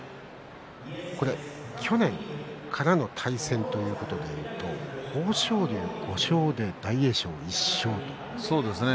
去年からの対戦ということでいうと豊昇龍５勝、大栄翔１勝です。